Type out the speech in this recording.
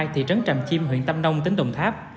thị trấn tràm chim huyện tâm nông tỉnh đồng tháp